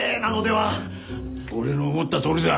俺の思ったとおりだ。